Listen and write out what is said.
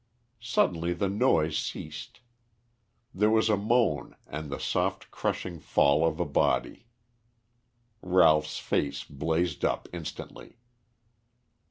Suddenly the noise ceased. There was a moan and the soft, crushing fall of a body. Ralph's face blazed up instantly.